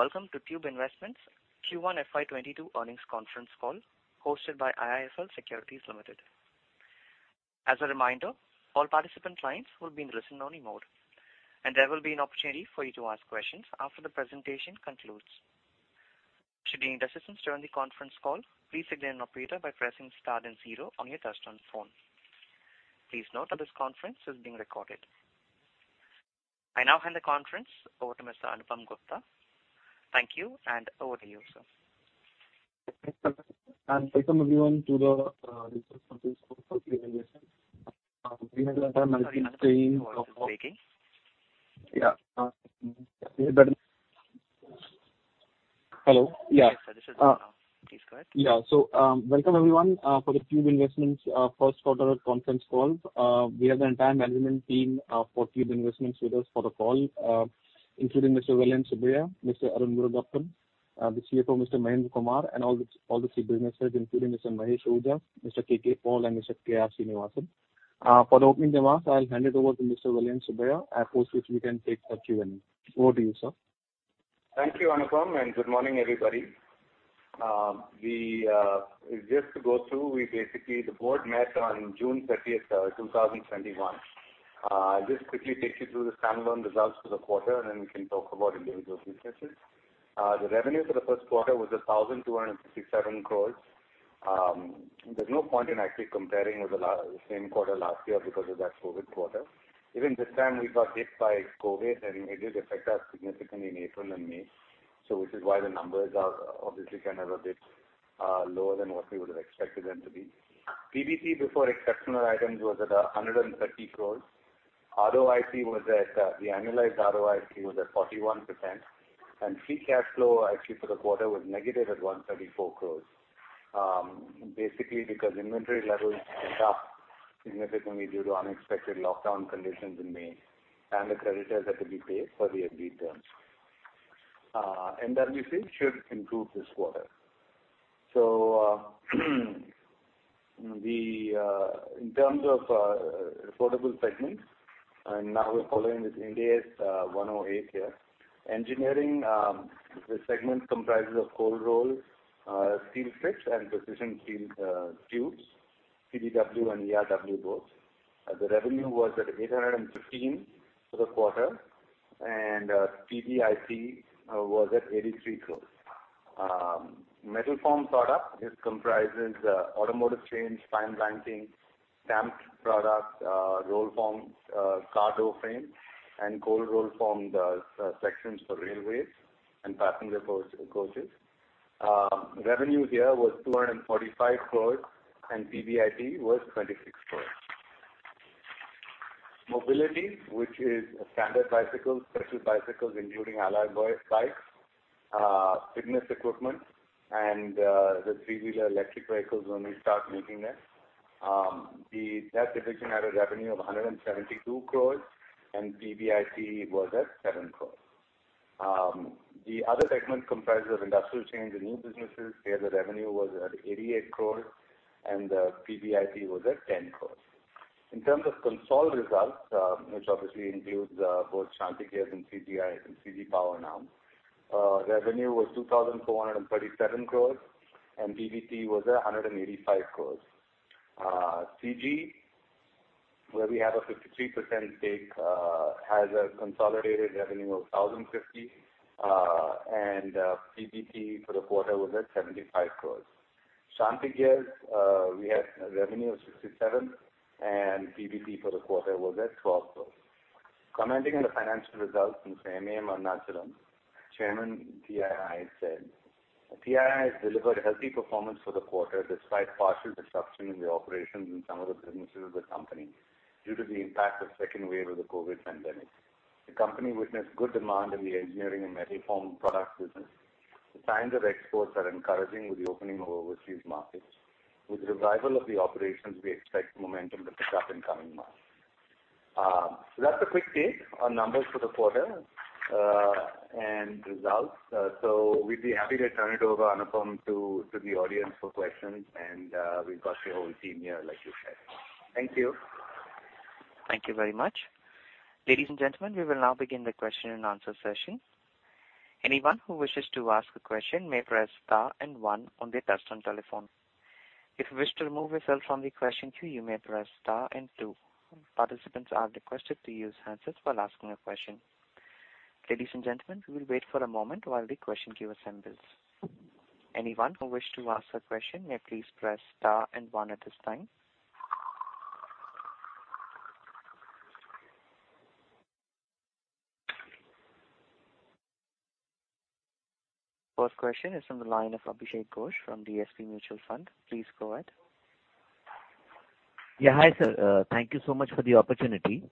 Welcome to Tube Investments Q1 FY 2022 earnings conference call hosted by IIFL Securities Limited. I now hand the conference over to Mr. Anupam Gupta. Thank you, and over to you, sir Welcome everyone to the results for Tube Investments. Sorry, Anupam, your voice is breaking. Yeah. Can you hear better now? Hello? Yeah. Yes, sir. This is Anupam. Please go ahead. Yeah. Welcome everyone for the Tube Investments Q1 conference call. We have the entire management team for Tube Investments with us for the call, including Mr. Vellayan Subbiah, Mr. Arun Murugappan, the CFO, Mr. Mahendra Kumar, and all the senior businesses, including Mr. Mukesh Ahuja, Mr. K.K. Paul, and Mr. K.R. Srinivasan. For the opening remarks, I'll hand it over to Mr. Vellayan Subbiah, after which we can take our Q&A. Over to you, sir. Thank you, Anupam, and good morning, everybody. Just to go through, basically, the board met on June 30th, 2021. I'll just quickly take you through the standalone results for the quarter, and then we can talk about individual businesses. The revenue for the Q1 was 1,257 crores. There's no point in actually comparing with the same quarter last year because of that COVID quarter. Even this time we got hit by COVID, and it did affect us significantly in April and May, which is why the numbers are obviously a bit lower than what we would've expected them to be. PBT, before exceptional items, was at 130 crores. The annualized ROIC was at 41%, and free cash flow actually for the quarter was negative at 134 crores. Basically, because inventory levels went up significantly due to unexpected lockdown conditions in May, and the creditors had to be paid per the agreed terms. That we think should improve this quarter. In terms of reportable segments, and now we're following this Ind AS 108 here. Engineering, the segment comprises of cold roll steel strips, and precision steel tubes, CDW and ERW both. The revenue was at 815 for the quarter, and PBIT was at 83 crores. Metal formed product comprises automotive chains, fine blanking, stamped product, roll formed car door frames, and cold roll formed sections for railways and passenger coaches. Revenue here was 245 crores, and PBIT was 26 crores. Mobility, which is standard bicycles, special bicycles, including alloy bikes, fitness equipment, and the three-wheeler electric vehicles when we start making them. That division had a revenue of 172 crores, and PBIT was at 7 crores. The other segment comprises of industrial chains and new businesses. Here the revenue was at 88 crores, and PBIT was at 10 crores. In terms of consolidated results, which obviously includes both Shanthi Gears and CG Power now. Revenue was 2,437 crores, and PBT was at 185 crores. CG, where we have a 53% stake, has a consolidated revenue of 1,050, and PBT for the quarter was at 75 crores. Shanthi Gears, we had revenue of 67, and PBT for the quarter was at 12 crores. Commenting on the financial results, Mr. Arun Murugappan, Chairman, TII said, "TII has delivered healthy performance for the quarter, despite partial disruption in the operations in some of the businesses of the company due to the impact of second wave of the COVID pandemic. The company witnessed good demand in the engineering and metal formed products business. The signs of exports are encouraging with the opening of overseas markets. With revival of the operations, we expect momentum to pick up in coming months. That's a quick take on numbers for the quarter and results. We'd be happy to turn it over, Anupam, to the audience for questions, and we've got the whole team here like you said. Thank you. Thank you very much. Ladies and gentlemen, we will now begin the question and answer session. Anyone who wishes to ask a question may press star and one on their touchtone telephone. If you wish to remove yourself from the question queue, you may press star and two. Participants are requested to use handsets while asking a question. Ladies and gentlemen, we will wait for a moment while the question queue assembles. Anyone who wish to ask a question may please press star and one at this time. First question is from the line of Abhishek Ghosh from DSP Mutual Fund. Please go ahead. Yeah. Hi, sir. Thank you so much for the opportunity.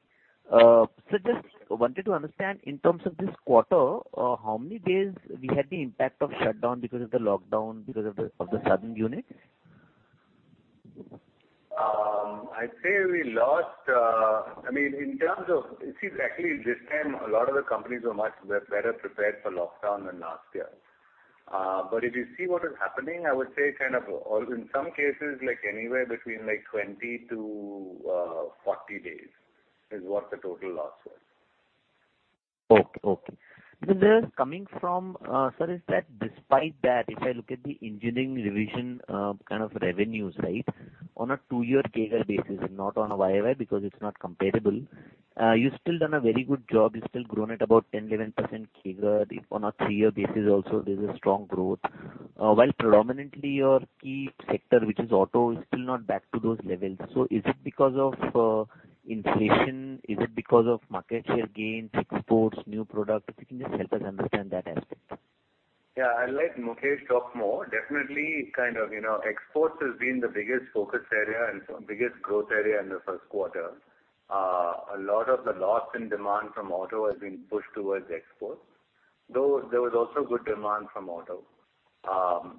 Sir, just wanted to understand in terms of this quarter, how many days we had the impact of shutdown because of the lockdown because of the southern unit? Actually, this time a lot of the companies were much better prepared for lockdown than last year. If you see what is happening, I would say in some cases, anywhere between 20 to 40 days is what the total loss was. Okay. Sir, despite that, if I look at the engineering division revenues on a 2-year CAGR basis, not on a YOY because it's not comparable, you've still done a very good job. You've still grown at about 10%-11% CAGR. On a 3-year basis also, there's a strong growth. While predominantly your key sector, which is auto, is still not back to those levels. Is it because of inflation? Is it because of market share gains, exports, new products? If you can just help us understand that aspect. Yeah, I'll let Mukesh talk more. Definitely, exports has been the biggest focus area and biggest growth area in the Q1. A lot of the loss in demand from auto has been pushed towards exports, though there was also good demand from auto. That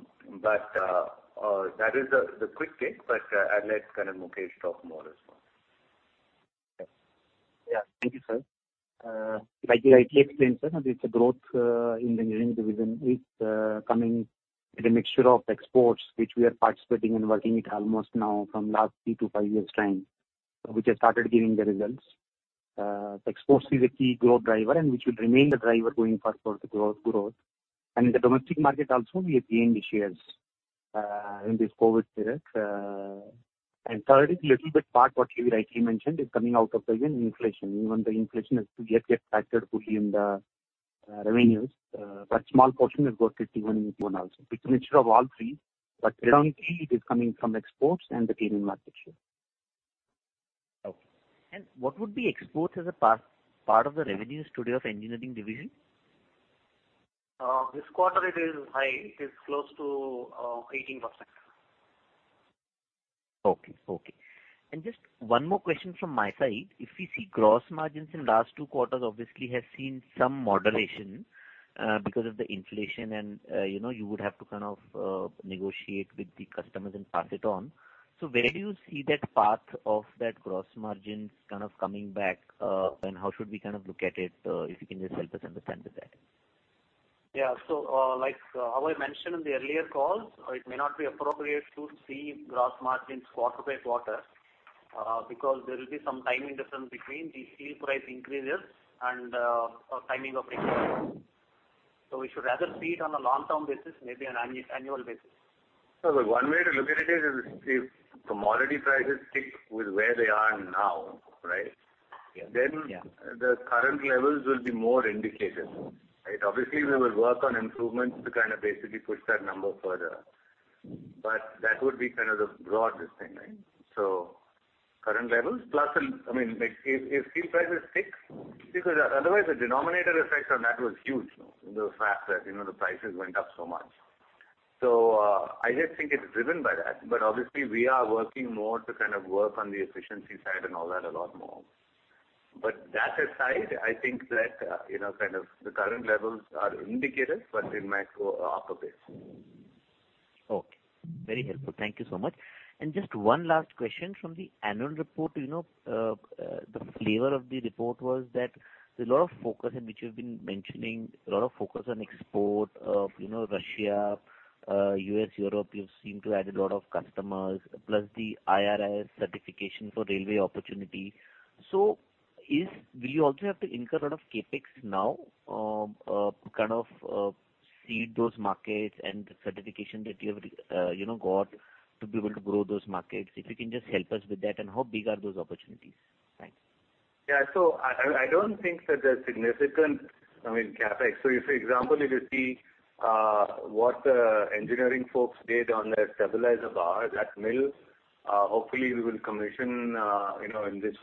is the quick take, but I'll let Mukesh talk more as well. Okay. Yeah, thank you, sir. Like you rightly explained, sir, this growth in the engineering division is coming with a mixture of exports, which we are participating and working it almost now from last three to five years' time, which has started giving the results. Exports is a key growth driver, which will remain the driver going further for growth. In the domestic market also, we have gained shares in this COVID period. Third is little bit part what you rightly mentioned, is coming out of the inflation. Even the inflation is to yet get factored fully in the revenues. Small portion has got it even in Q1 also. It's a mixture of all three. Predominantly, it is coming from exports and the gain in market share. Okay. What would be exports as a part of the revenues today of engineering division? This quarter it is high. It is close to 18%. Okay. Just one more question from my side. If we see gross margins in last two quarters, obviously has seen some moderation because of the inflation and you would have to negotiate with the customers and pass it on. Where do you see that path of that gross margins coming back, and how should we look at it? If you can just help us understand with that. Yeah. Like how I mentioned in the earlier calls, it may not be appropriate to see gross margins quarter by quarter, because there will be some timing difference between the steel price increases. We should rather see it on a long-term basis, maybe an annual basis. One way to look at it is if commodity prices stick with where they are now, then the current levels will be more indicative. Obviously, we will work on improvements to basically push that number further. That would be the broad distinction. Current levels, plus if steel prices stick, because otherwise the denominator effect on that was huge. The fact that the prices went up so much. I just think it's driven by that. Obviously, we are working more to work on the efficiency side and all that a lot more. That aside, I think that the current levels are indicative, but it might go up a bit. Okay. Very helpful. Thank you so much. Just one last question from the annual report. The flavor of the report was that there's a lot of focus, and which you've been mentioning, a lot of focus on export of Russia, U.S., Europe. You've seemed to add a lot of customers, plus the IRIS certification for railway opportunity. Will you also have to incur a lot of CapEx now to seed those markets and the certification that you have got to be able to grow those markets? If you can just help us with that, and how big are those opportunities? Thanks. Yeah. I don't think that they're significant CapEx. If, for example, if you see what the engineering folks did on their stabilizer bar, that mill, hopefully we will commission in this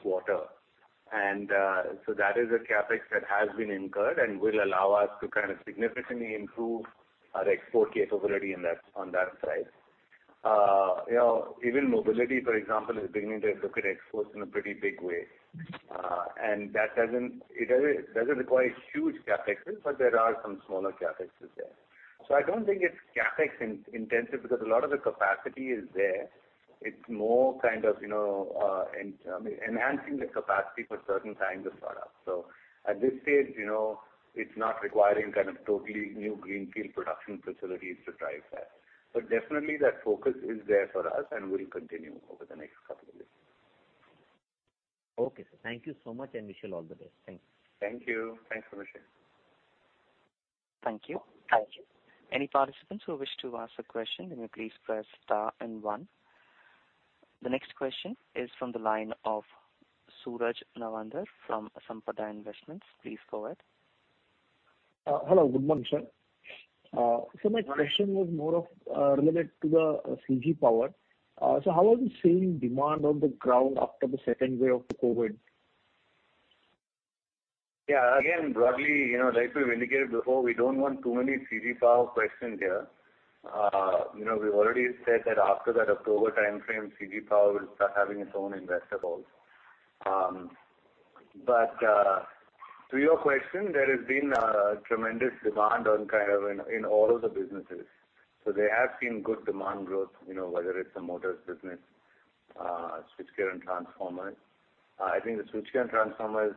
quarter. That is a CapEx that has been incurred and will allow us to significantly improve our export capability on that side. Even mobility, for example, is beginning to look at exports in a pretty big way. That doesn't require huge CapExes, but there are some smaller CapExes there. I don't think it's CapEx-intensive because a lot of the capacity is there. It's more enhancing the capacity for certain kinds of products. At this stage, it's not requiring totally new greenfield production facilities to drive that. Definitely that focus is there for us, and will continue over the next couple of years. Okay, sir. Thank you so much. Wish you all the best. Thanks. Thank you. Thanks, Mukesh. Thank you. Thank you. Any participants who wish to ask a question, can you please press star one? The next question is from the line of Suraj Nawandar from Sampada Investments. Please go ahead. Hello, good morning, sir. My question was more of related to the CG Power. How are you seeing demand on the ground after the second wave of the COVID? Yeah, again, broadly, like we've indicated before, we don't want too many CG Power questions here. We've already said that after that October timeframe, CG Power will start having its own investor calls. To your question, there has been a tremendous demand in all of the businesses. They have seen good demand growth, whether it's the motors business, switchgear and transformers. I think the switchgear and transformers,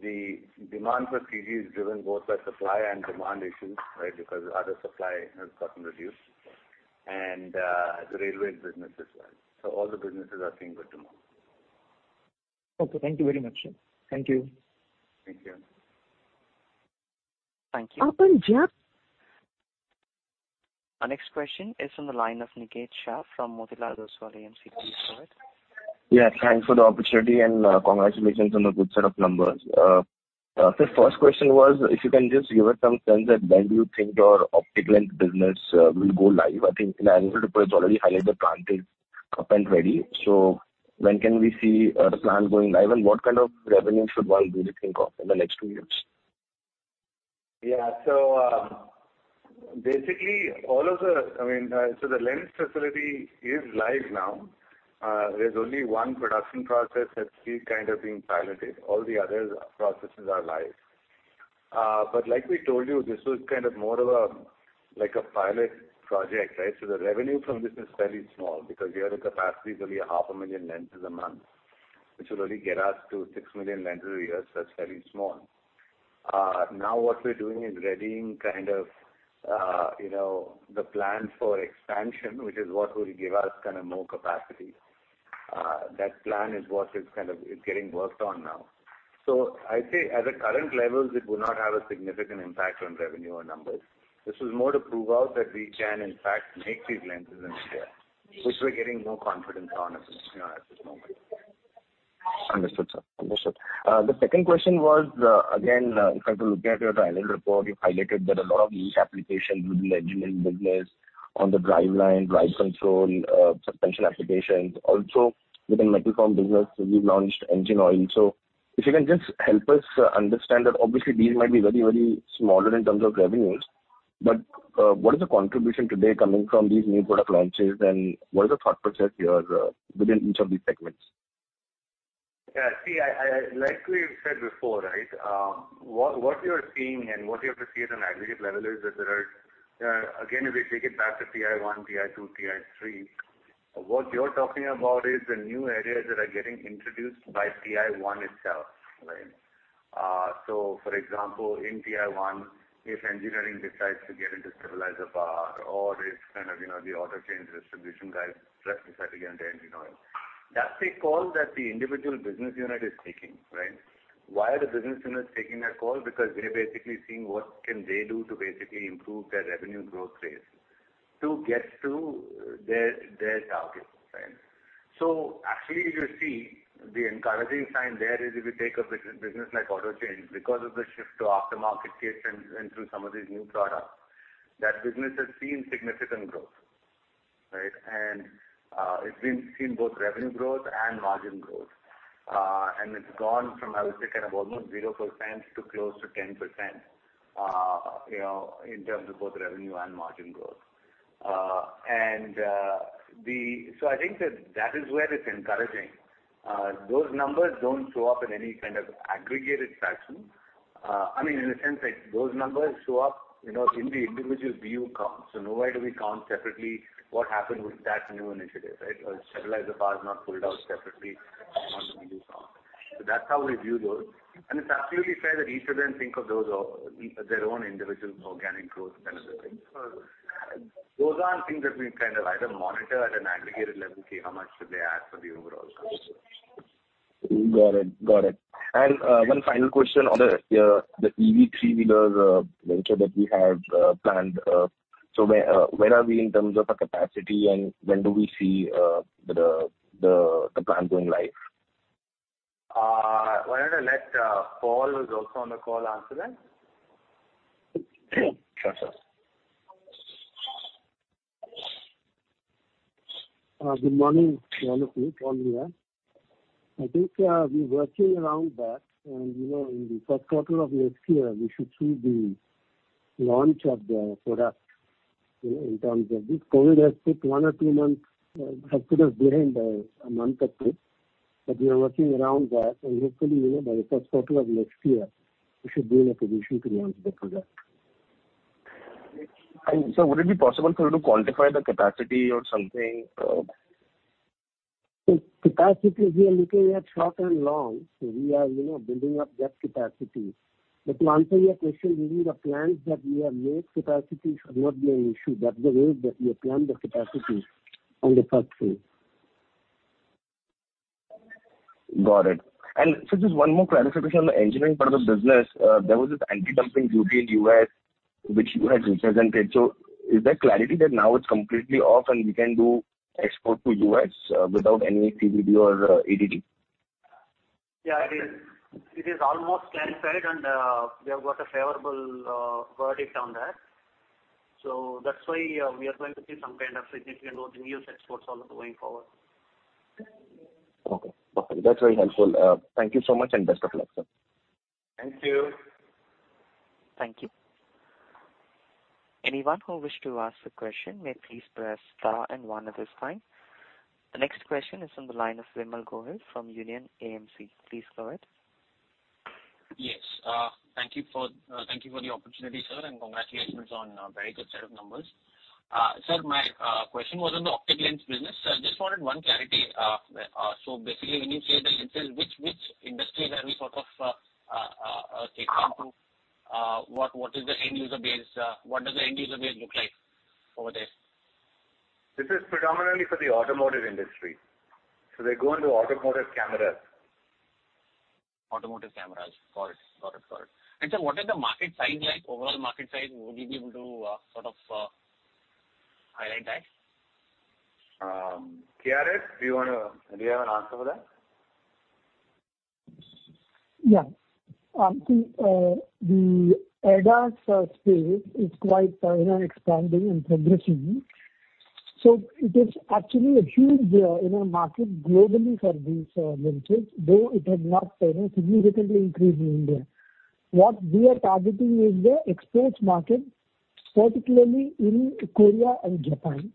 the demand for CG is driven both by supply and demand issues, because other supply has gotten reduced, and the railways business as well. All the businesses are seeing good demand. Okay, thank you very much. Thank you. Thank you. Thank you. Our next question is from the line of Niket Shah from Motilal Oswal AMC. Please go ahead. Thanks for the opportunity, and congratulations on the good set of numbers. Sir, first question was, if you can just give us some sense that when do you think your optical lens business will go live? I think in the annual report it's already highlighted the plant is up and ready. When can we see the plant going live, and what kind of revenue should one really think of in the next two years? Basically, the lens facility is live now. There's only one production process that's still kind of being piloted. All the other processes are live. Like we told you, this was more of a pilot project. The revenue from this is very small, because we are at capacity of only 0.5 million lenses a month, which will only get us to six million lenses a year. It's very small. Now what we're doing is readying the plan for expansion, which is what will give us more capacity. That plan is what is getting worked on now. I'd say at the current levels, it will not have a significant impact on revenue or numbers. This is more to prove out that we can in fact make these lenses in India, which we're getting more confidence on at this moment. Understood, sir. Understood. The second question was, again, if I have a look at your annual report, you've highlighted that a lot of niche applications will be the engineering business on the driveline, drive control, suspension applications. Also, within metal form business, you've launched engine oil. If you can just help us understand that, obviously, these might be very, very smaller in terms of revenues, but what is the contribution today coming from these new product launches, and what is the thought process here within each of these segments? Yeah. Like we've said before, what you're seeing and what you have to see at an aggregate level is that there are, again, if we take it back to TI1, TI2, TI3, what you're talking about is the new areas that are getting introduced by TI1 itself. For example, in TI1, if engineering decides to get into stabilizer bar, or the auto chains distribution guys decide to get into engine oil, that's a call that the individual business unit is taking. Why are the business units taking that call? They're basically seeing what can they do to basically improve their revenue growth rate to get to their targets. Actually, if you see, the encouraging sign there is if you take a business like auto chains, because of the shift to aftermarket kits and through some of these new products, that business has seen significant growth. It's been seeing both revenue growth and margin growth. It's gone from, I would say, almost 0% to close to 10%, in terms of both revenue and margin growth. I think that is where it's encouraging. Those numbers don't show up in any kind of aggregated fashion. In a sense, those numbers show up in the individual BU counts. Nowhere do we count separately what happened with that new initiative. Stabilizer bar is not pulled out separately on the release count. That's how we view those. It's absolutely fair that each of them think of their own individual organic growth kind of a thing. Those aren't things that we either monitor at an aggregated level to see how much did they add for the overall growth. Got it. One final question on the EV three-wheeler venture that we have planned. Where are we in terms of the capacity, and when do we see the plan going live? Why don't I let Paul, who's also on the call, answer that? Sure, sir. Good morning to all of you. Paul here. I think we're working around that, and in the Q1 of next year, we should see the launch of the product in terms of this. COVID has put us behind a month or two, but we are working around that, and hopefully, by the Q1 of next year, we should be in a position to launch the product. Sir, would it be possible for you to quantify the capacity or something? Capacity, we are looking at short and long. We are building up that capacity. To answer your question, within the plans that we have made, capacity should not be an issue. That's the way that we have planned the capacity on the first phase. Got it. Sir, just one more clarification on the engineering part of the business. There was this anti-dumping duty in U.S., which you had represented. Is there clarity that now it is completely off and we can do export to U.S. without any CVD or ADD? Yeah, it is almost clarified, and we have got a favorable verdict on that. That's why we are going to see some kind of significant growth in U.S. exports also going forward. Okay. That's very helpful. Thank you so much, and best of luck, sir. Thank you. Thank you. Anyone who wish to ask a question may please press star 1 at this time. The next question is on the line of Vimal Gohil from Union AMC. Please go ahead. Yes. Thank you for the opportunity, sir, and congratulations on a very good set of numbers. Sir, my question was on the optic lens business. Just wanted one clarity. Basically, when you say the lenses, which industry have you sort of say, come to? What does the end-user base look like over there? This is predominantly for the automotive industry. They go into automotive cameras. Automotive cameras. Got it. Sir, what is the market size like, overall market size? Would you be able to sort of highlight that? KRS, do you have an answer for that? Yeah. I think the ADAS space is quite expanding and progressing. It is actually a huge market globally for these lenses, though it has not significantly increased in India. What we are targeting is the exports market, particularly in Korea and Japan.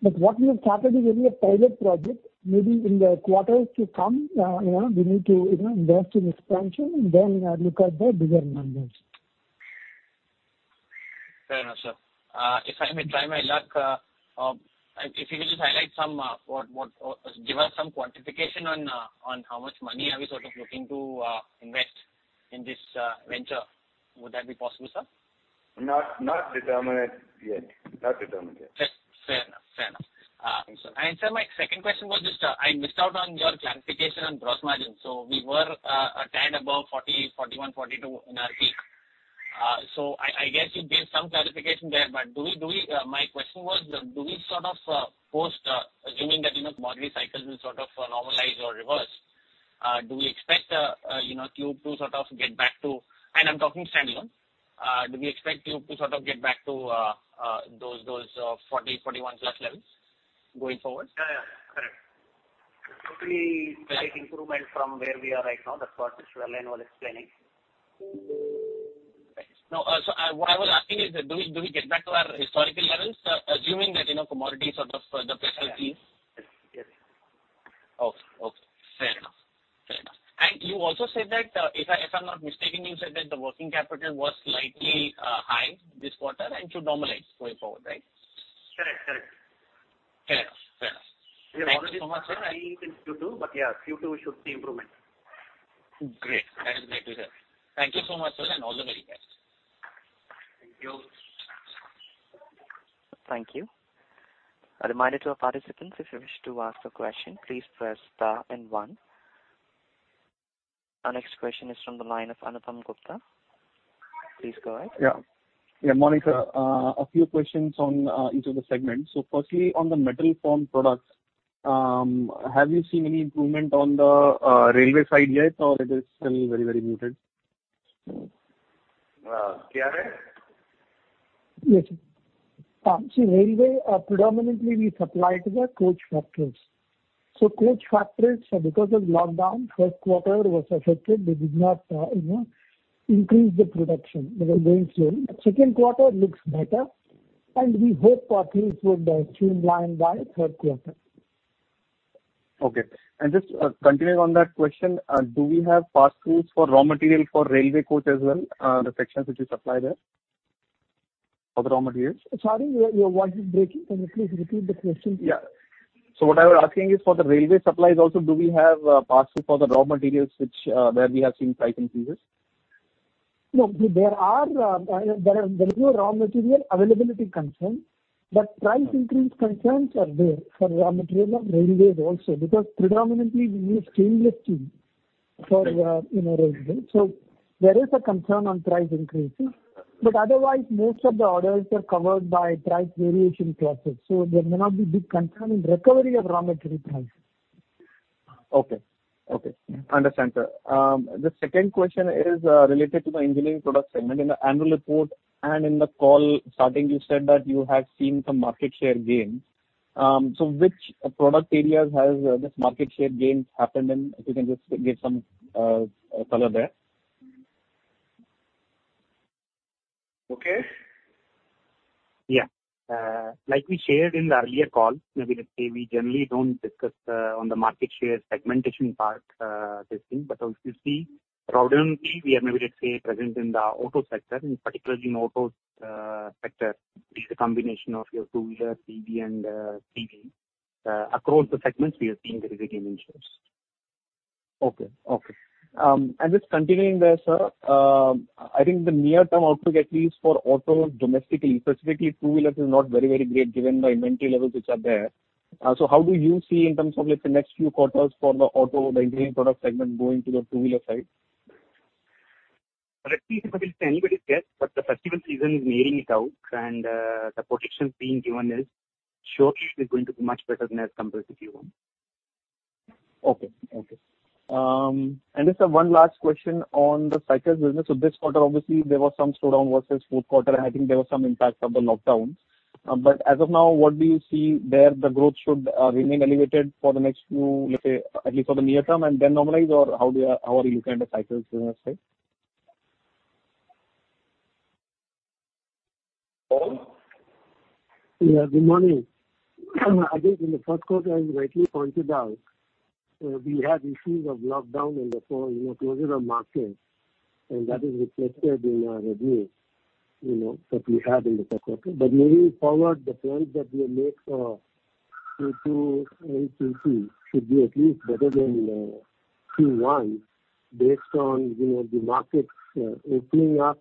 What we have started is only a pilot project. Maybe in the quarters to come, we need to invest in expansion and then look at the bigger numbers. Fair enough, sir. If I may try my luck, if you could just give us some quantification on how much money are we sort of looking to invest in this venture. Would that be possible, sir? Not determined yet. Fair enough. Thank you, sir. Sir, my second question was just, I missed out on your clarification on gross margin. We were a tad above 40%, 41%, 42% in our peak. I guess you gave some clarification there, my question was, post assuming that commodity cycles will sort of normalize or reverse. I'm talking standalone. Do we expect Tube to sort of get back to those 40%, 41% plus levels going forward? Yeah. Correct. Totally slight improvement from where we are right now. That's what Mr. Vellayan Subbiah was explaining. Right. No, sir, what I was asking is, do we get back to our historical levels, assuming that commodity sort of, the festivities? Yes. Okay. Fair enough. You also said that, if I'm not mistaken, you said that the working capital was slightly high this quarter and should normalize going forward, right? Correct. Fair enough. Thank you so much, sir. We have already seen TII's Q2, but yeah, Q2 we should see improvement. Great. That is great to hear. Thank you so much, sir, and all the very best. Thank you. Thank you. A reminder to our participants, if you wish to ask a question, please press star 1. Our next question is from the line of Anupam Gupta. Please go ahead. Yeah, Monica, a few questions on each of the segments. Firstly, on the metal form products, have you seen any improvement on the railway side yet, or it is still very muted? KRS? Yes, sir. See, railway predominantly we supply to the coach factories. Coach factories, because of lockdown, Q1 was affected. They did not increase the production. They were going slow. Q2 looks better, and we hope factories would streamline by Q3. Okay. Just continuing on that question, do we have pass-throughs for raw material for railway coach as well, the sections which you supply there for the raw materials? Sorry, your voice is breaking. Can you please repeat the question? Yeah. What I was asking is for the railway supplies also, do we have pass-through for the raw materials where we have seen price increases? No, there is no raw material availability concern, but price increase concerns are there for raw material of railways also, because predominantly we use stainless steel for railway. There is a concern on price increases, but otherwise most of the orders are covered by price variation clauses, there may not be big concern in recovery of raw material prices. Okay. Understood, sir. The second question is related to the engineering product segment. In the annual report and in the call starting, you said that you have seen some market share gains. Which product areas has this market share gains happened in? If you can just give some color there. Okay. Yeah. Like we shared in the earlier call, maybe, let's say we generally don't discuss on the market share segmentation part, this thing. If you see predominantly, we are maybe, let's say, present in the auto sector and particularly in auto sector, it is a combination of your two-wheeler, PV and CV. Across the segments, we are seeing very big gains, yes. Okay. Just continuing there, sir, I think the near-term outlook, at least for auto domestically, specifically two-wheelers is not very great given the inventory levels which are there. How do you see in terms of, let's say, next few quarters for the auto, the engineering product segment going to the two-wheeler side? Let's see. It's anybody's guess, but the festival season is nearing it out and the projections being given is surely it is going to be much better than as compared to Q1. Okay. Just one last question on the cycles business. This quarter, obviously there was some slowdown versus Q4, and I think there was some impact of the lockdowns. As of now, what do you see there? The growth should remain elevated for the next few, let's say, at least for the near term and then normalize? How are you looking at the cycles business side? Paul? Yeah, good morning. I think in the Q1, as rightly pointed out, we had issues of lockdown and therefore, closure of markets, and that is reflected in our revenues that we had in the Q1. Moving forward, the plans that we make for Q2 and Q3 should be at least better than Q1 based on the markets opening up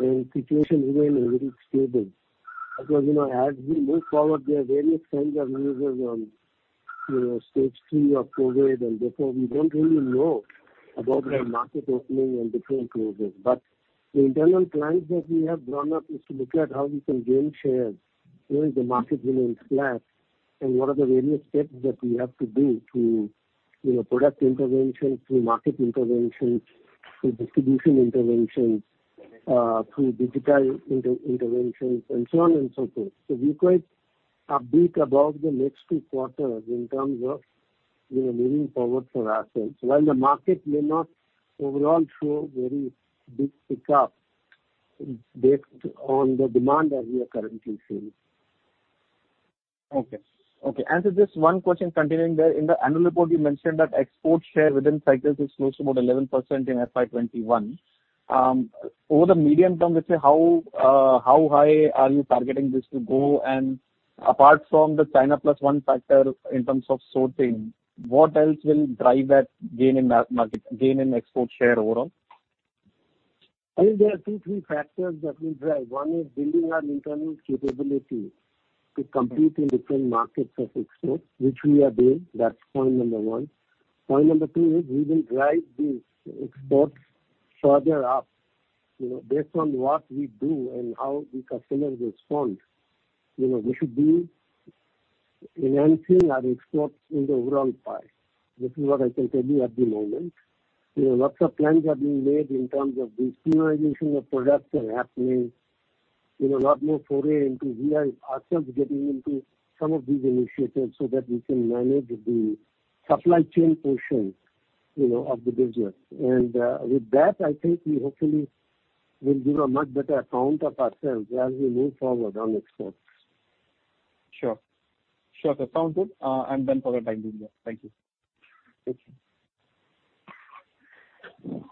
and situation becoming a little stable. As we move forward, there are various kinds of news on stage three of COVID. Therefore, we don't really know about the market opening and different closures. The internal plans that we have drawn up is to look at how we can gain shares where the market remains flat and what are the various steps that we have to do through product interventions, through market interventions, through distribution interventions, through digital interventions, and so on and so forth. We're quite upbeat about the next two quarters in terms of moving forward for us. While the market may not overall show very big pickup based on the demand that we are currently seeing. Okay. To this one question continuing there, in the annual report you mentioned that export share within cycles is close to about 11% in FY 2021. Over the medium term, let's say, how high are you targeting this to go? Apart from the China Plus One factor in terms of sourcing, what else will drive that gain in export share overall? I think there are two, three factors that will drive. One is building an internal capability to compete in different markets of export, which we are doing. That's point number one. Point number two is we will drive these exports further up, based on what we do and how the customer responds. We should be enhancing our exports in the overall pie. This is what I can tell you at the moment. Lots of plans are being made in terms of the standardization of products are happening. Lot more foray into we are ourselves getting into some of these initiatives so that we can manage the supply chain portion of the business. With that, I think we hopefully will give a much better account of ourselves as we move forward on exports. Sure. Sounds good. I'm done for the time being, yeah. Thank you. Thank you.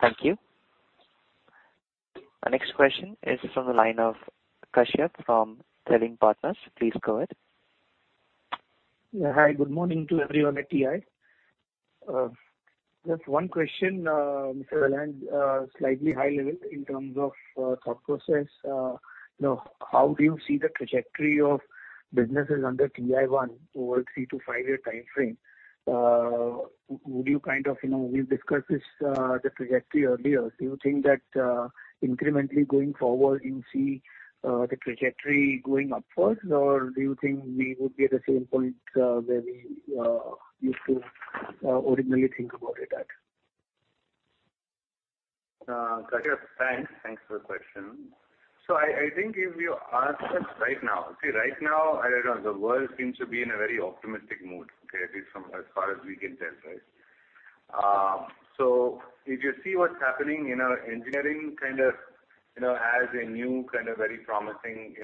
Thank you. Our next question is from the line of Kashyap from Selling Partners. Please go ahead. Hi, good morning to everyone at TI. Just one question, Mr. Anand, slightly high level in terms of thought process. How do you see the trajectory of businesses under TI1 over three-five-year timeframe? We've discussed this, the trajectory earlier. Do you think that incrementally going forward you see the trajectory going upwards or do you think we would be at the same point where we used to originally think about it at? Kashyap, thanks for the question. I think if you ask us right now, see right now, the world seems to be in a very optimistic mood, okay, at least from as far as we can tell, right? If you see what's happening in our engineering, has a new very promising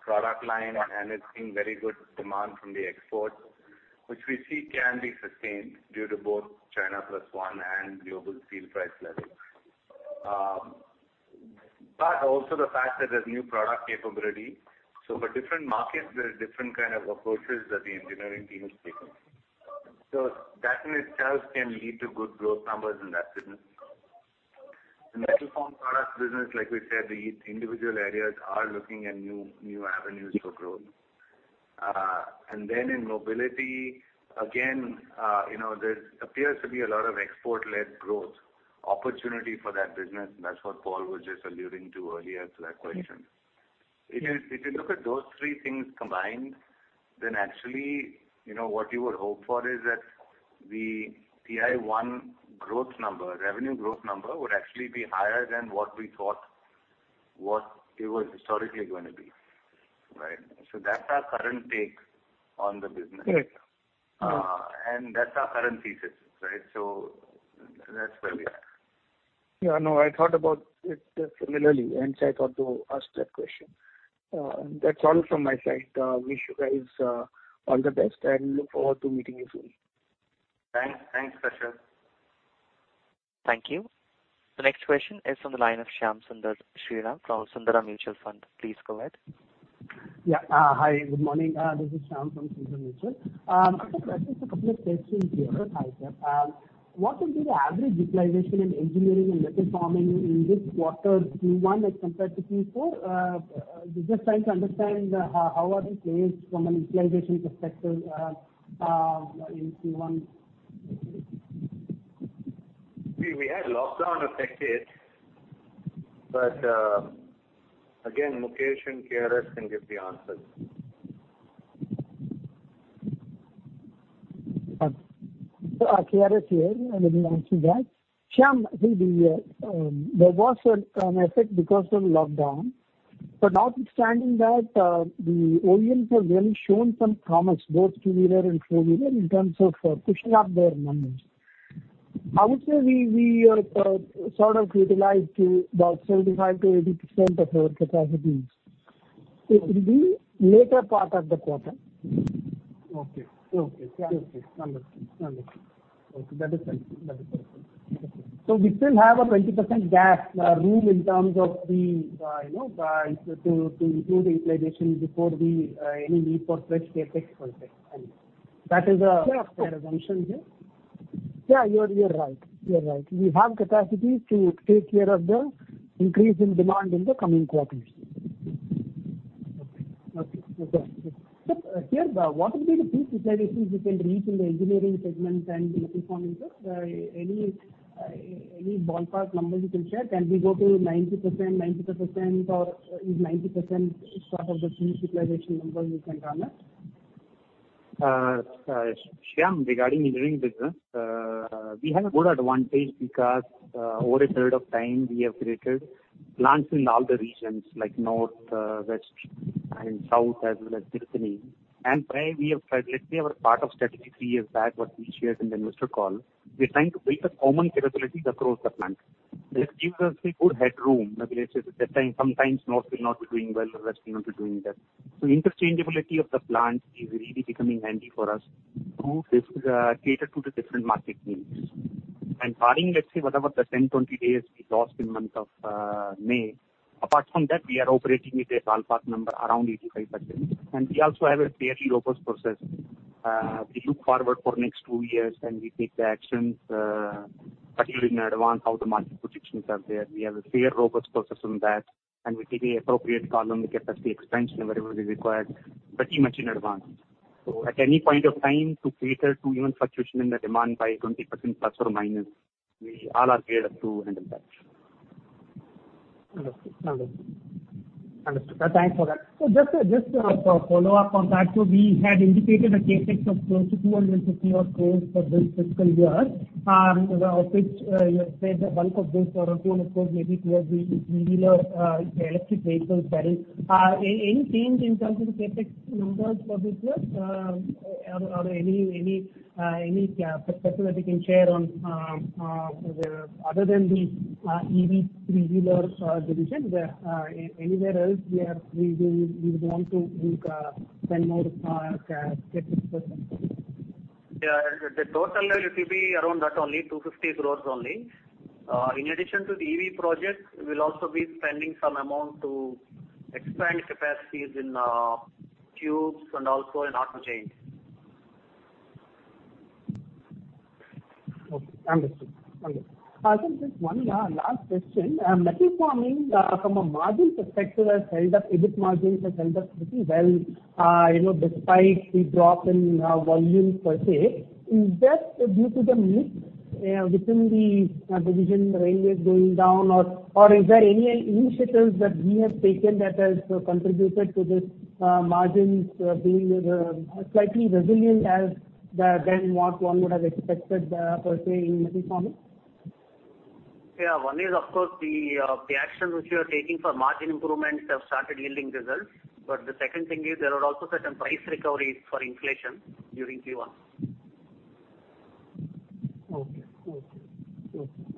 product line and it's seeing very good demand from the exports, which we see can be sustained due to both China Plus One and global steel price levels. Also the fact that there's new product capability. For different markets, there are different kind of approaches that the engineering team is taking. That in itself can lead to good growth numbers in that business. The metal form product business, like we said, the individual areas are looking at new avenues for growth. In mobility, again there appears to be a lot of export-led growth opportunity for that business. That's what Paul was just alluding to earlier to that question. If you look at those three things combined, actually what you would hope for is that the TI1 revenue growth number would actually be higher than what we thought what it was historically going to be. Right. That's our current take on the business. Right. That's our current thesis, right? That's where we are. I know. I thought about it similarly, hence I thought to ask that question. That's all from my side. Wish you guys all the best and look forward to meeting you soon. Thanks, Kashyap. Thank you. The next question is from the line of Shyam Sundar Sriram from Sundaram Mutual Fund. Please go ahead. Yeah. Hi, good morning. This is Shyam from Sundaram Mutual. I have just a couple of questions here for Hitesh. What will be the average utilization in engineering and metal forming in this quarter Q1 as compared to Q4? Just trying to understand how are we placed from an utilization perspective in Q1. We had lockdown affected, but again, Mukesh and KRS can give the answers. KRS here. Let me answer that. Shyam, I think there was an effect because of lockdown. Notwithstanding that, the OEMs have really shown some promise, both two-wheeler and four-wheeler in terms of pushing up their numbers. How much are we sort of utilized to about 75%-80% of our capacity? It will be latter part of the quarter. Okay. Understood. That is helpful. We still have a 20% gap, room in terms of to include the inflation before any need for CapEx, I mean. Yeah our assumption here? Yeah, you're right. We have capacity to take care of the increase in demand in the coming quarters. Okay. Sir, here, what will be the peak utilization we can reach in the engineering segment and metal forming, sir? Any ballpark numbers you can share? Can we go to 90%? Is 90% sort of the peak utilization number we can garner? Shyam, regarding engineering business, we have a good advantage because over a period of time, we have created plants in all the regions, like north, west and south, as well as eastern India. Let's say our part of strategy three years back, what we shared in the investor call, we are trying to build the common capabilities across the plant. This gives us a good headroom. Let's say that sometimes north will not be doing well, west will not be doing well. Interchangeability of the plants is really becoming handy for us to cater to the different market needs. Barring, let's say, whatever the 10, 20 days we lost in the month of May, apart from that, we are operating at a ballpark number around 85%, and we also have a fairly robust process. We look forward for next two years. We take the actions, particularly in advance how the market projections are there. We have a fair, robust process on that. We take the appropriate call on capacity expansion, wherever is required, pretty much in advance. At any point of time, to cater to even fluctuation in the demand by 20% plus or minus, we are geared up to handle that. Understood, sir. Thanks for that. Just to follow up on that, we had indicated a CapEx of close to INR 250 crores for this fiscal year, out of which you have said the bulk of this around INR 200 crores may be towards the 3-wheeler, the electric vehicles. Any change in terms of the CapEx numbers for this year? Any perspective that you can share on other than the EV 3-wheeler division, anywhere else you would want to spend more CapEx? Yeah. The total it will be around that only, 250 crores only. In addition to the EV project, we will also be spending some amount to expand capacities in tubes and also in auto chains. Okay, understood. Arun Murugappan, just one last question. Metal forming from a margin perspective has held up, EBIT margins has held up pretty well despite the drop in volume per se. Is that due to the mix within the division railways going down? Is there any initiatives that we have taken that has contributed to this margins being slightly resilient than what one would have expected, per se, in metal forming? Yeah. One is, of course, the action which we are taking for margin improvements have started yielding results. The second thing is, there were also certain price recoveries for inflation during Q1. Okay.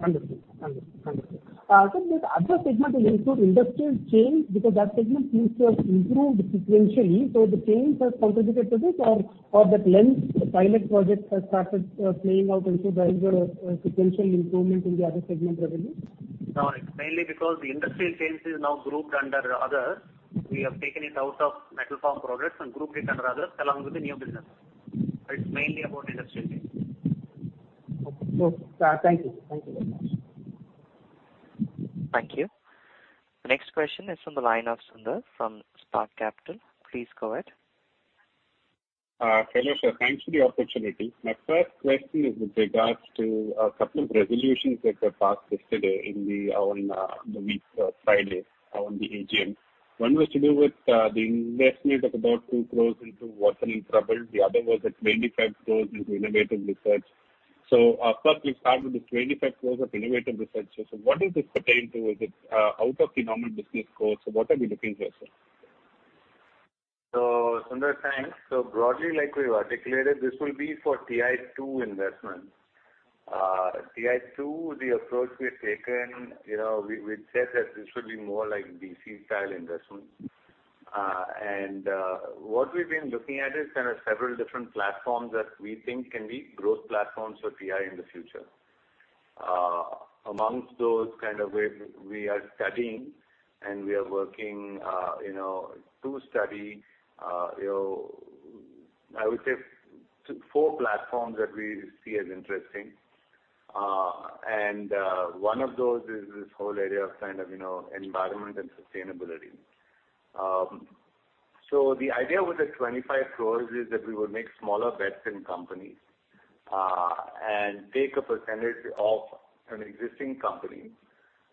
Understood. Arun Murugappan, the other segment will include industrial chains, because that segment seems to have improved sequentially. The chains has contributed to this or that lens pilot project has started playing out into sequential improvement in the other segment revenue? No, it's mainly because the industrial chains is now grouped under other. We have taken it out of metal form products and grouped it under others, along with the new business. It's mainly about industrial chains. Okay. Thank you. Thank you very much. Thank you. Next question is from the line of Sundar from Spark Capital. Please go ahead. Hello, sir. Thanks for the opportunity. My first question is with regards to a couple of resolutions that were passed yesterday in the week, Friday, on the AGM. One was to do with the investment of about 2 crore into working capital. The other was that 25 crore into innovative research. First we'll start with the 25 crore of innovative research. What does this pertain to? Is it out of the normal business course? What are we looking for, sir? Sundar, thanks. Broadly, like we've articulated, this will be for TI2 investment. TI2, the approach we've taken, we'd said that this would be more like VC style investment. What we've been looking at is kind of several different platforms that we think can be growth platforms for TI in the future. Amongst those, kind of, we are studying and we are working to study, I would say four platforms that we see as interesting. One of those is this whole area of environment and sustainability. The idea with the 25 crore is that we would make smaller bets in companies, and take a percentage of an existing company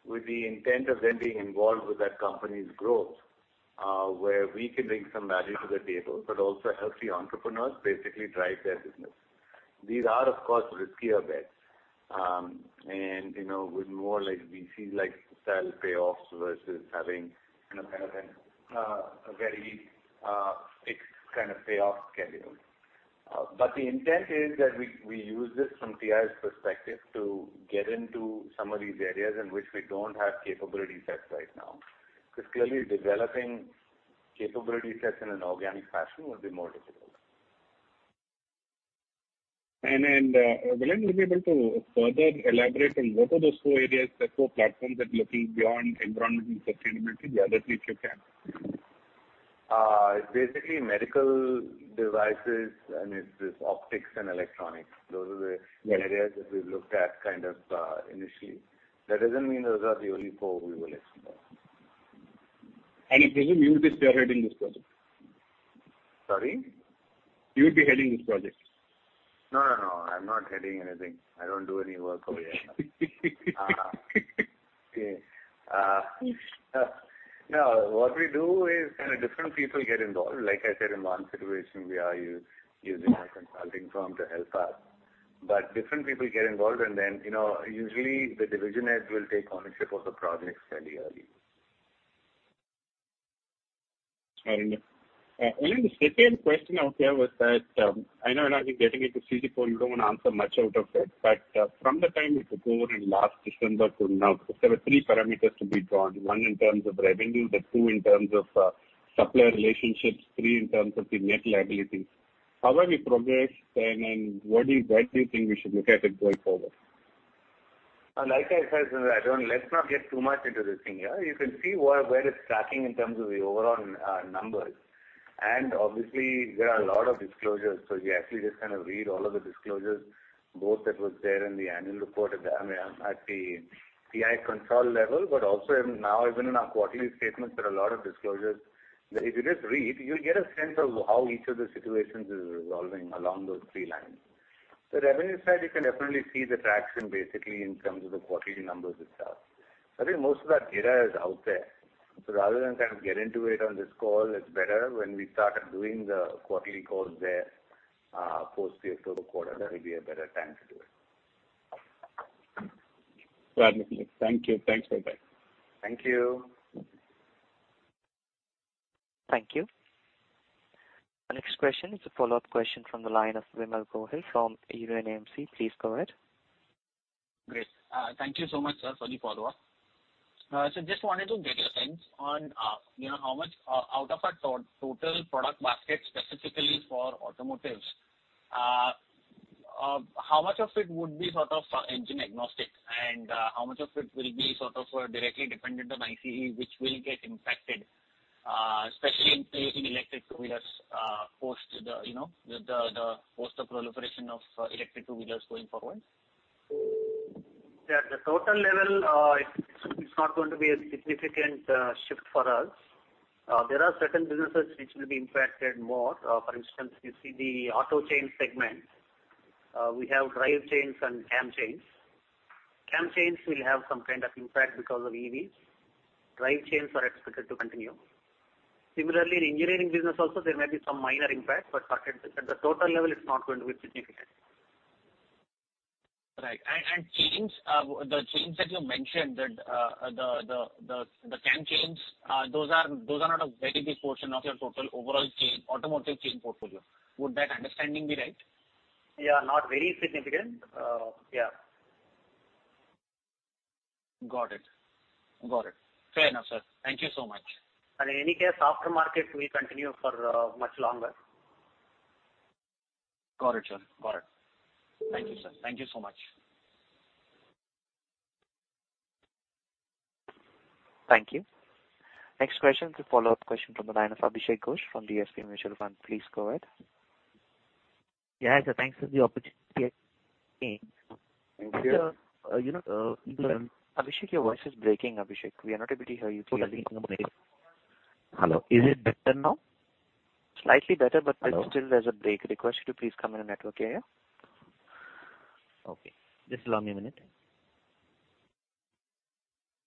with the intent of then being involved with that company's growth, where we can bring some value to the table, but also help the entrepreneurs basically drive their business. These are, of course, riskier bets. With more VC-like style payoffs versus having a very fixed kind of payoff schedule. The intent is that we use this from TI's perspective to get into some of these areas in which we don't have capability sets right now. Clearly, developing capability sets in an organic fashion would be more difficult. Will you be able to further elaborate on what are those four areas, the four platforms that looking beyond environment and sustainability, the other three, if you can? It's basically medical devices, and it's optics and electronics. Those are the areas that we've looked at initially. That doesn't mean those are the only four we will explore. Vimal, you will be spearheading this project? Sorry? You will be heading this project? I'm not heading anything. I don't do any work over here. What we do is different people get involved. Like I said, in one situation, we are using a consulting firm to help us. Different people get involved, and then usually the division head will take ownership of the project fairly early. I understand. Vimal, the second question I have here was that I know, getting into CG Power, you don't want to answer much out of it, but from the time you took over in last December till now, if there were three parameters to be drawn, one in terms of revenue, the two in terms of supplier relationships, three in terms of the net liabilities, how have you progressed then, and where do you think we should look at it going forward? Like I said, Sundar, let's not get too much into this thing here. You can see where it's tracking in terms of the overall numbers. Obviously, there are a lot of disclosures. If you actually just read all of the disclosures, both that was there in the annual report at the TI Conso level, but also now even in our quarterly statements, there are a lot of disclosures that if you just read, you'll get a sense of how each of the situations is resolving along those three lines. The revenue side, you can definitely see the traction basically in terms of the quarterly numbers itself. I think most of that data is out there. Rather than get into it on this call, it's better when we start doing the quarterly calls there post the October quarter, that will be a better time to do it. Fair enough. Thank you. Thanks for that. Thank you. Thank you. Our next question is a follow-up question from the line of Vimal Gohil from Union AMC. Please go ahead. Great. Thank you so much, sir, for the follow-up. Just wanted to get your sense on how much out of a total product basket specifically for automotives, how much of it would be engine agnostic, and how much of it will be directly dependent on ICE which will get impacted, especially in electric 2-wheelers post the proliferation of electric 2-wheelers going forward? At the total level, it's not going to be a significant shift for us. There are certain businesses which will be impacted more. For instance, if you see the auto chain segment, we have drive chains and cam chains. Cam chains will have some kind of impact because of EVs. Drive chains are expected to continue. Similarly, in engineering business also, there may be some minor impact, but at the total level, it's not going to be significant. Right. The chains that you mentioned, the cam chains, those are not a very big portion of your total overall automotive chain portfolio. Would that understanding be right? Yeah, not very significant. Yeah. Got it. Fair enough, sir. Thank you so much. In any case, after market, we continue for much longer. Got it, sir. Thank you, sir. Thank you so much. Thank you. Next question is a follow-up question from the line of Abhishek Ghosh from DSP Mutual Fund. Please go ahead. Thanks for the opportunity again. Thank you. Abhishek, your voice is breaking. We are not able to hear you clearly. Hello. Is it better now? Slightly better, but still there's a break. Request you to please come in a network area. Okay. Just allow me a minute.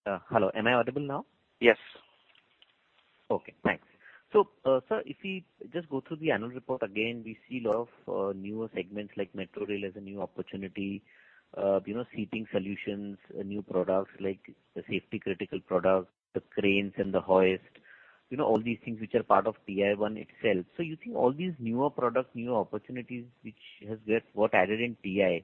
Hello, am I audible now? Yes. Okay, thanks. Sir, if we just go through the annual report again, we see lot of newer segments like metro rail as a new opportunity, seating solutions, new products like the safety critical products, the cranes and the hoist, all these things which are part of TI1 itself. You think all these newer products, newer opportunities which has got added in TI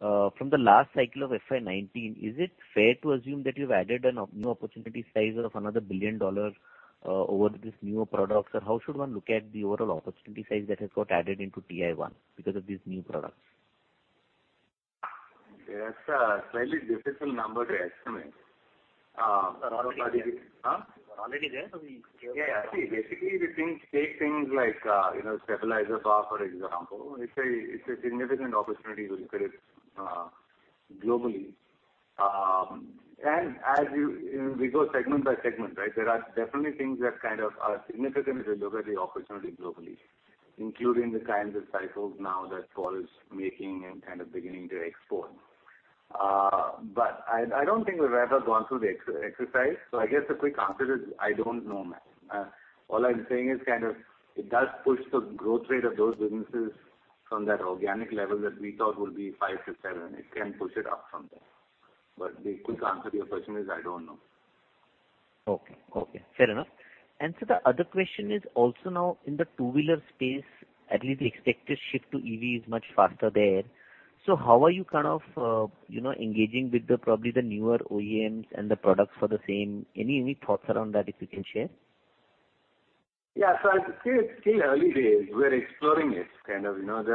from the last cycle of FY 19, is it fair to assume that you've added a new opportunity size of another 1 billion dollar over these newer products? How should one look at the overall opportunity size that has got added into TI1 because of these new products? That's a slightly difficult number to estimate. They're already there. Yeah. See, basically, take things like stabilizer bar, for example. It's a significant opportunity if you look at it globally. As we go segment by segment, there are definitely things that are significant if you look at the opportunity globally, including the kinds of cycles now that K.K. Paul is making and beginning to export. I don't think we've ever gone through the exercise. I guess the quick answer is, I don't know, man. All I'm saying is it does push the growth rate of those businesses from that organic level that we thought would be five to seven. It can push it up from there. The quick answer to your question is, I don't know. Okay, fair enough. The other question is also now in the two-wheeler space, at least the expected shift to EV is much faster there. How are you engaging with probably the newer OEMs and the products for the same? Any thoughts around that, if you can share? Yeah. It's still early days. We're exploring it. There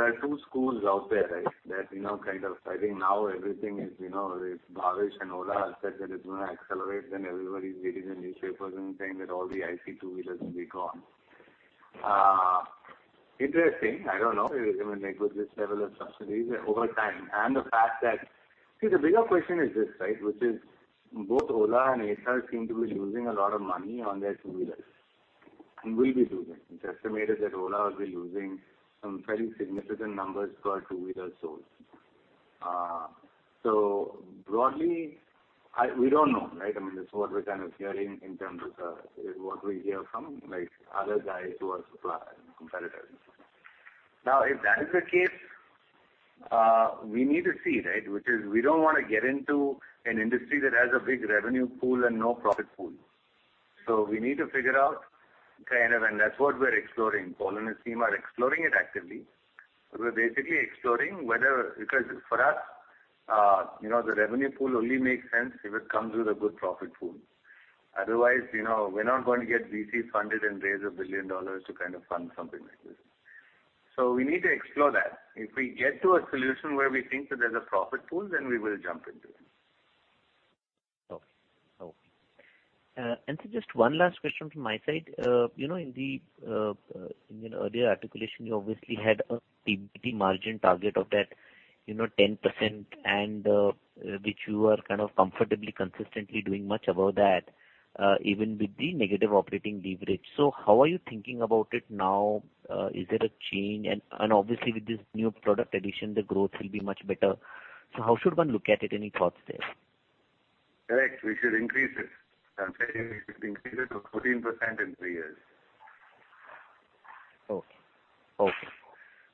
are two schools out there, right? Bhavish and Ola has said that it's going to accelerate, then everybody's reading the newspapers and saying that all the IC two-wheelers will be gone. Interesting. I don't know if it's even like with this level of subsidies over time. See, the bigger question is this, right? Which is both Ola and Ather seem to be losing a lot of money on their two-wheelers, and will be losing. It's estimated that Ola will be losing some very significant numbers per two-wheeler sold. Broadly, we don't know, right? This is what we're kind of hearing in terms of what we hear from other guys who are suppliers and competitors and so on. Now, if that is the case, we need to see, right? We don't want to get into an industry that has a big revenue pool and no profit pool. We need to figure out, and that's what we're exploring. Paul and his team are exploring it actively. We're basically exploring. Because for us, the revenue pool only makes sense if it comes with a good profit pool. Otherwise, we're not going to get VC funded and raise INR 1 billion to fund something like this. We need to explore that. If we get to a solution where we think that there's a profit pool, then we will jump into it. Okay. Just one last question from my side. In the earlier articulation, you obviously had a PBT margin target of that 10%, and which you are kind of comfortably, consistently doing much above that even with the negative operating leverage. How are you thinking about it now? Is there a change? Obviously with this new product addition, the growth will be much better. How should one look at it? Any thoughts there? Correct. We should increase it. I'm saying we should increase it to 14% in three years.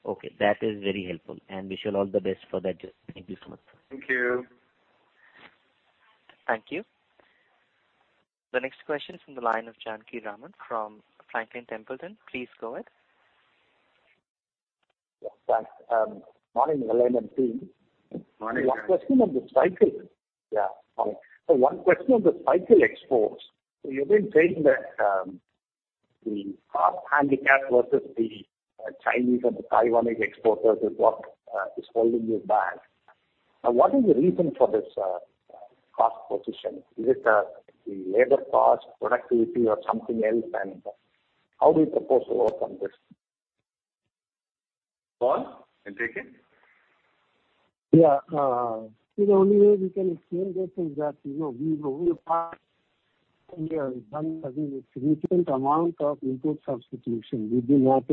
Okay. That is very helpful, and wish you all the best for that. Thank you so much. Thank you. Thank you. The next question is from the line of Janakiraman from Franklin Templeton. Please go ahead. Yes, thanks. Morning, Vellayan Subbiah and team. Morning. One question on the cycle. One question on the cycle exports. You've been saying that the cost handicap versus the Chinese and the Taiwanese exporters is what is holding you back. What is the reason for this cost position? Is it the labor cost, productivity or something else? How do you propose to work on this? Paul, can you take it? The only way we can explain this is that we have done a significant amount of input substitution. We did not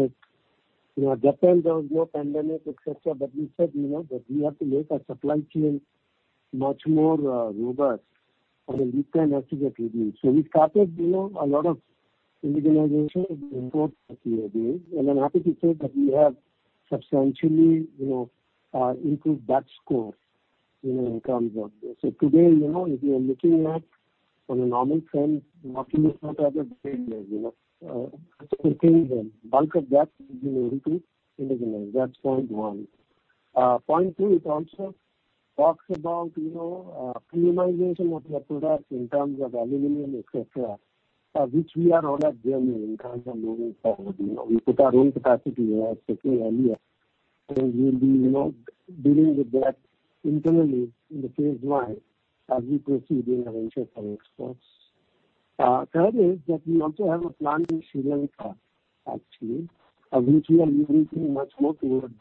depend on low pandemic, et cetera, but we said that we have to make our supply chain much more robust, and we cannot take a risk. We started a lot of indigenization imports a few years. I'm happy to say that we have substantially improved that score in terms of this. Today, if you are looking at from a normal trend, what you look for are the failures. The bulk of that is improved, indigenized. That's point one. Point two, it also talks about premiumization of your products in terms of aluminum, et cetera, which we are on that journey in terms of moving forward. We put our own capacity, as I said to you earlier, we will be dealing with that internally in the phase I as we proceed doing our venture for exports. Third is we also have a plant in Sri Lanka, actually, which we are moving much more towards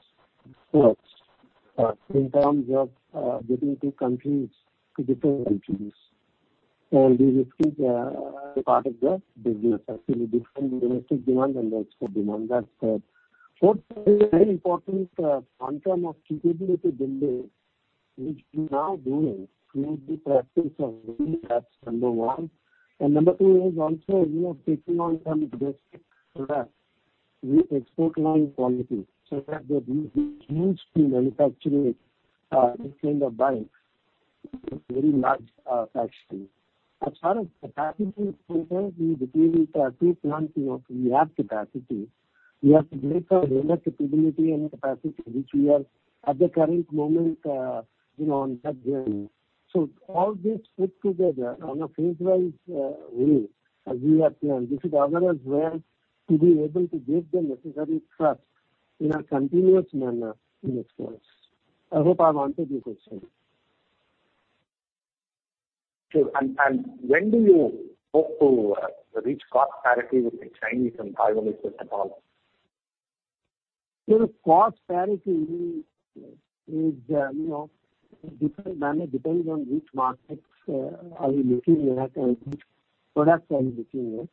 exports in terms of getting to different countries. This is part of the business, actually, different domestic demand and export demand. That's third. Fourth is a very important long-term opportunity to build which we are now doing through the practice of doing that, number one. Number two is also, taking on some basic products with export line quality, such that we used to manufacture this kind of bikes in a very large factory. As far as capacity is concerned, we believe with our two plants, we have capacity. We have to make our labor capability and capacity, which we are at the current moment on that journey. All this put together on a phase-wise way as we have planned. This is our way to be able to give the necessary thrust in a continuous manner in exports. I hope I've answered your question. Sure. When do you hope to reach cost parity with the Chinese and Taiwanese et al? Cost parity is different manner. It depends on which markets are you looking at and which products are you looking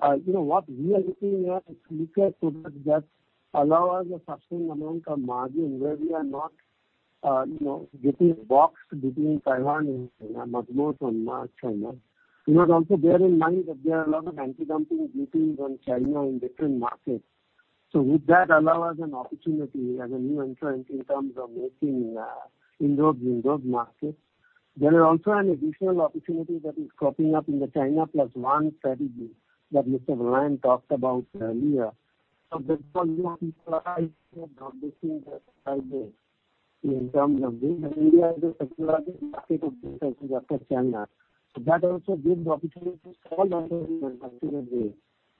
at. What we are looking at is cheaper products that allow us a certain amount of margin where we are not getting boxed between Taiwan and China, Madura and China. Also bear in mind that there are a lot of anti-dumping duties on China in different markets. Would that allow us an opportunity as a new entrant in terms of making inroads in those markets? There are also additional opportunities that are cropping up in the China Plus One strategy that Vellayan Subbiah talked about earlier. There's a new enterprise that's now looking at this strategy in terms of viewing India as a strategic market, after China. That also gives the opportunity to small and medium manufacturers based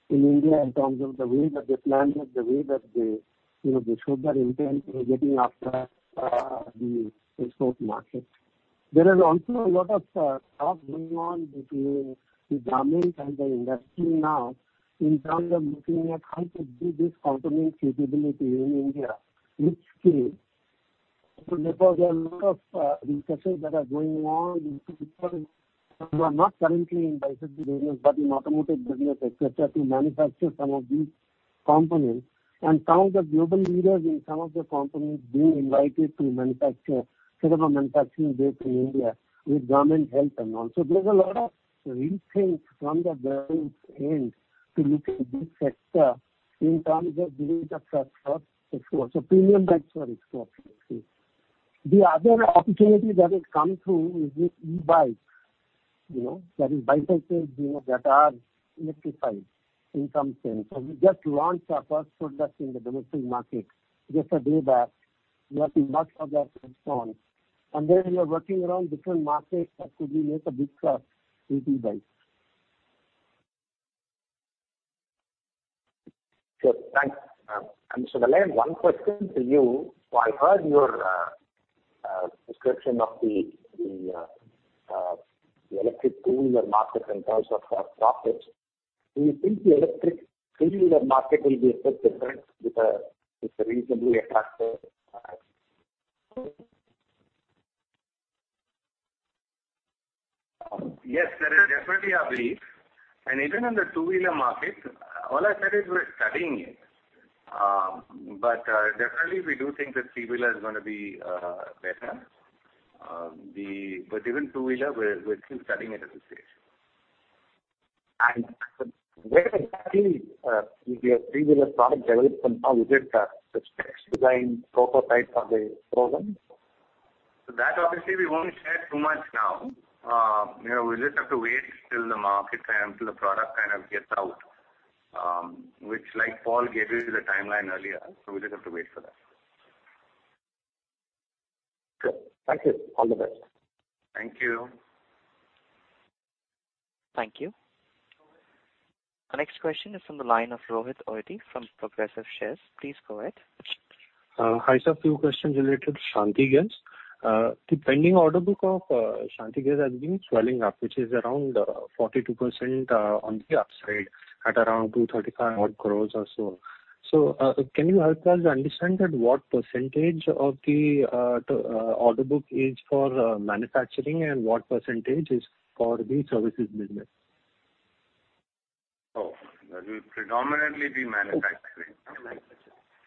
in India in terms of the way that they plan it, the way that they show their intent in getting after the export markets. There is also a lot of talk going on between the government and the industry now in terms of looking at how to build this component capability in India, which still, because there are a lot of researchers that are going on into who are not currently in bicycle business, but in automotive business, et cetera, to manufacture some of these components. Some of the global leaders in some of the components being invited to manufacture, set up a manufacturing base in India with government help and all. There's a lot of rethink from the government's end to look at this sector in terms of giving it a push for exports, premium bikes for exports. The other opportunity that will come through is with e-bikes. That is bicycles that are electrified in some sense. We just launched our first product in the domestic market just a day back, working much of that and so on. We are working around different markets that could make a big push to e-bikes. Sure. Thanks. Mr. Vellayan Subbiah, one question to you. I heard your description of the electric two-wheeler market in terms of our profits. Do you think the electric three-wheeler market will be a bit different with a reasonably attractive ? Yes, that is definitely our belief. Even in the 2-wheeler market, all I said is we're studying it. Definitely we do think that 3-wheeler is going to be better. Even 2-wheeler, we're still studying it at this stage. Where exactly is your 3-wheeler product development now? Is it the specs design prototype of the program? That obviously we won't share too much now. We will just have to wait till the market and till the product kind of gets out, which like Paul gave you the timeline earlier. We just have to wait for that. Good. Thank you. All the best. Thank you. Thank you. Our next question is from the line of Rohit Ojha from Progressive Shares. Please go ahead. Hi, sir. A few questions related to Shanthi Gears. The pending order book of Shanthi Gears has been swelling up, which is around 42% on the upside at around 235 odd crores or so. Can you help us understand that what percentage of the order book is for manufacturing and what percentage is for the services business? Oh, that will predominantly be manufacturing.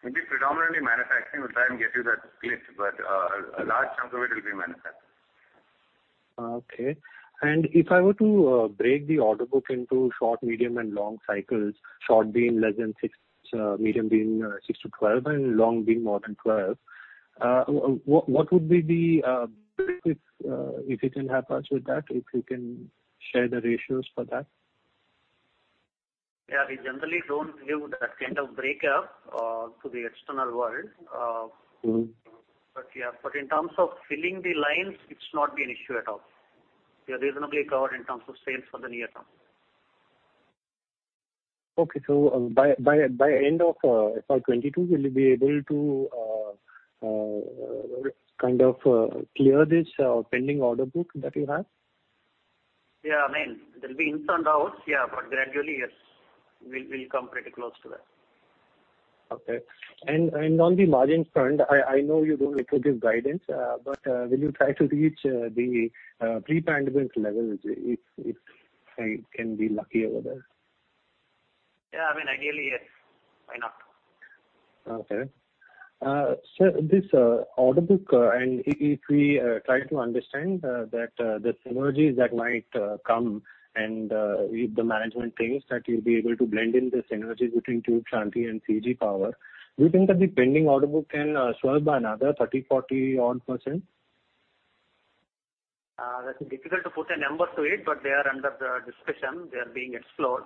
Manufacturing. It will be predominantly manufacturing. We will try and get you that split, but a large chunk of it will be manufacturing. Okay. If I were to break the order book into short, medium, and long cycles, short being less than six, medium being 6-12, and long being more than 12, what would be the break if you can help us with that, if you can share the ratios for that? Yeah, we generally don't give that kind of breakup to the external world. Yeah, but in terms of filling the lines, it's not been an issue at all. We are reasonably covered in terms of sales for the near term. Okay. By end of FY 2022, will you be able to kind of clear this pending order book that you have? Yeah. There'll be ins and outs, but gradually, yes. We'll come pretty close to that. Okay. On the margin front, I know you don't like to give guidance, but will you try to reach the pre-pandemic levels, if I can be lucky over there? Yeah. Ideally, yes. Why not? Okay. Sir, this order book, and if we try to understand that the synergies that might come and if the management thinks that you will be able to blend in the synergies between Tube Shanthi and CG Power, do you think that the pending order book can swell by another 30, 40 odd %? That's difficult to put a number to it, but they are under discussion. They are being explored.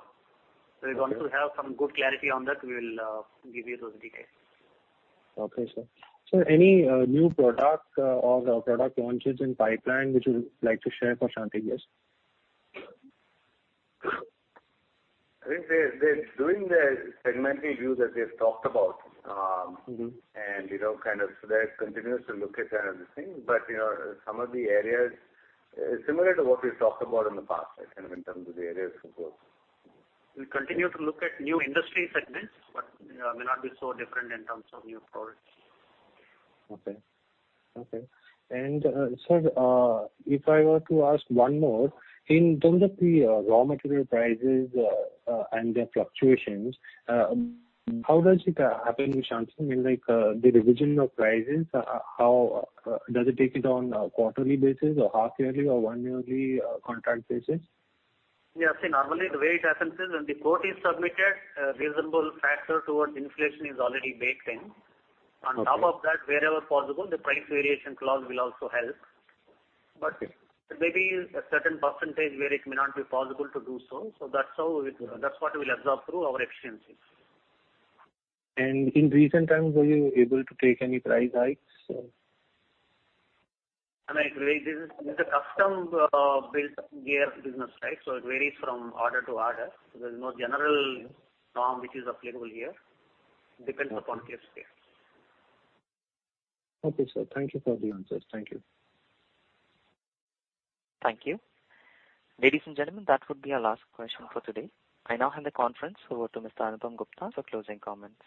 Once we have some good clarity on that, we'll give you those details. Okay, sir. Sir, any new product or product launches in pipeline which you would like to share for Shanthi Gears? I think they're doing the segmenting review that they've talked about. They continue to look at everything, but some of the areas similar to what we've talked about in the past, kind of in terms of the areas of growth. We'll continue to look at new industry segments, but may not be so different in terms of new products. Okay. Sir, if I were to ask one more, in terms of the raw material prices and their fluctuations, how does it happen with Shanti? The revision of prices, does it take it on a quarterly basis or half yearly or one yearly contract basis? Yeah. See, normally the way it happens is when the quote is submitted, a reasonable factor towards inflation is already baked in. Okay. On top of that, wherever possible, the price variation clause will also help. Okay. Maybe a certain percentage where it may not be possible to do so. That's what we'll absorb through our efficiencies. In recent times, were you able to take any price hikes? This is a custom built gear business, right? It varies from order to order. There's no general form which is applicable here. Okay. Depends upon case to case. Okay, sir. Thank you for the answers. Thank you. Thank you. Ladies and gentlemen, that would be our last question for today. I now hand the conference over to Mr. Anupam Gupta for closing comments.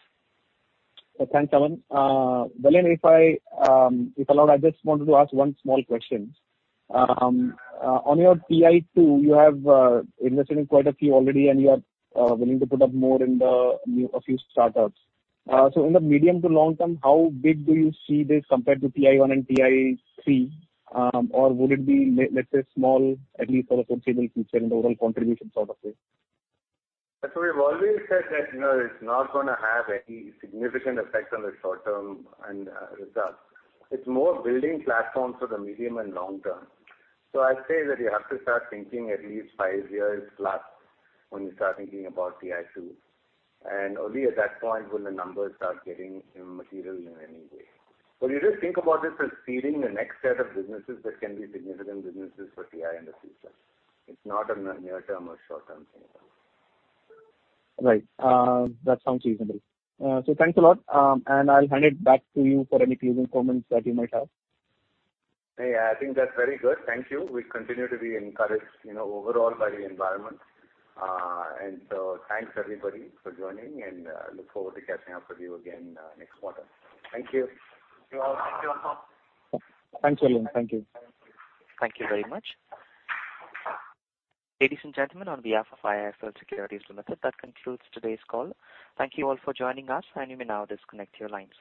Thanks, Alan. Vellayan Subbiah, if allowed, I just wanted to ask one small question. On your TI2, you have invested in quite a few already and you are willing to put up more in a few startups. In the medium to long term, how big do you see this compared to TI1 and TI3? Or would it be, let's say, small, at least for the foreseeable future in the overall contribution sort of way? We've always said that it's not going to have any significant effect on the short-term results. It's more building platforms for the medium and long term. I'd say that you have to start thinking at least 5 years plus when you start thinking about TI2. Only at that point will the numbers start getting material in any way. You just think about this as seeding the next set of businesses that can be significant businesses for TII in the future. It's not a near-term or short-term thing. Right. That sounds reasonable. Thanks a lot, and I'll hand it back to you for any closing comments that you might have. Hey, I think that's very good. Thank you. We continue to be encouraged overall by the environment. Thanks everybody for joining, and look forward to catching up with you again next quarter. Thank you. Thank you all. Thank you, Anupam. Thanks, Vellayan Subbiah. Thank you. Thank you very much. Ladies and gentlemen, on behalf of IIFL Securities Limited, that concludes today's call. Thank you all for joining us, and you may now disconnect your lines.